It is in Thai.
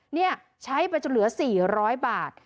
นี่ใช้ไปจนเหลือ๔๐๐บาท